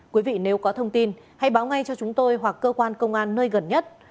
quý vị nếu có thông tin hãy báo ngay cho chúng tôi hoặc cơ quan công an nơi gần nhất